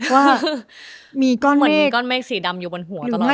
ว่ามีก้อนเมฆสีดำอยู่บนหัวตลอดหลายละ